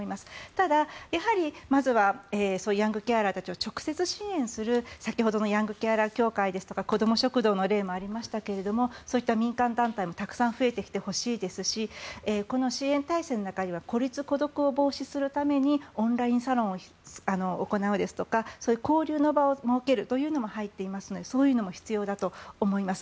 ただ、まずはヤングケアラーたちを直接支援する先ほどのヤングケアラー協会や子ども食堂の例もありますがそういった民間団体もたくさん増えてきてほしいですしこの支援体制の中には孤立・孤独を防止するためにオンラインサロンを行うですとか交流の場を設けるというのも入っていますのでそういうのも必要だと思います。